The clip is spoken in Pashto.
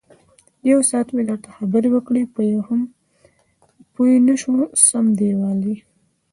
یوساعت مې درته خبرې وکړې، په یوه هم پوی نشوې سم دېوال یې.